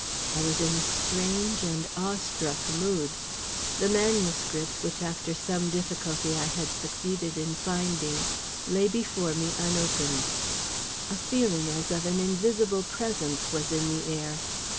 I was in a strange and awe struck mood. The manuscript, which after some difficulty I had succeeded in finding, lay before, me unopened. A feeling as of an invisible presence was in the air.